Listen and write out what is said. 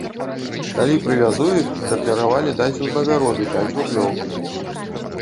Калі прывязу іх, дакляравалі даць узнагароды пяць рублёў.